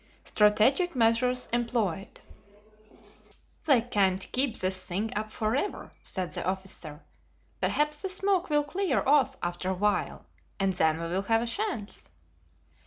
Strategic Measures Employed. "They can't keep this thing up forever," said the officer. "Perhaps the smoke will clear off after a while, and then we will have a chance."